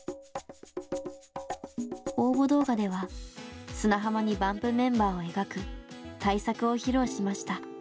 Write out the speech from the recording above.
応募動画では砂浜にＢＵＭＰメンバーを描く大作を披露しました。